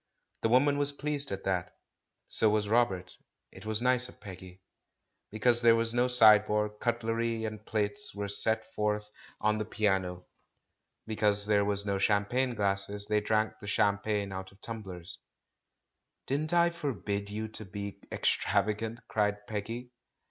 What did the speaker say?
The woman was pleased at that. So was Robert — it was nice of Veggy. Because there was no sideboard, cutlery and plates were set forth on 412 THE MAN WHO UKDERSTOOD WOMEN the piano; because there were no champagne glasses, they drank the champagne out of tum blers. "Didn't I forbid you to be extravagant?'* cried Peggy.